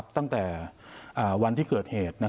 ตั้งแต่วันที่เกิดเหตุ